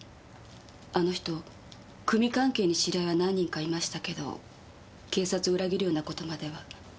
あの人組関係に知り合いは何人かいましたけど警察を裏切るような事までは。